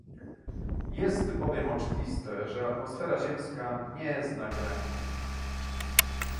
Jest bowiem oczywiste, że atmosfera ziemska nie zna granic